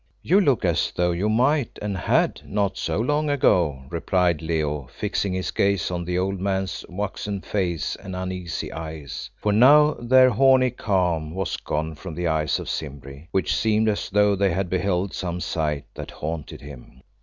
"You look as though you might, and had, not so long ago," replied Leo, fixing his gaze on the old man's waxen face and uneasy eyes. For now their horny calm was gone from the eyes of Simbri, which seemed as though they had beheld some sight that haunted him.